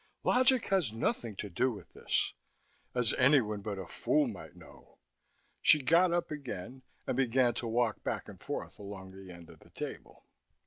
Logic has nothing to do with this as anyone but a fool might know." She got up again, and began to walk back and forth along the end of the table.